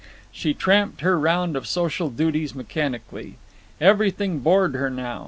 She tramped her round of social duties mechanically. Everything bored her now.